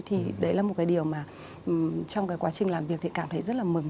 thì đấy là một cái điều mà trong cái quá trình làm việc thì cảm thấy rất là mừng